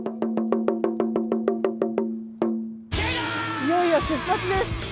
いよいよ出発です。